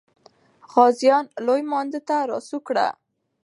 غازیان لوی مانده ته را سوه کړه.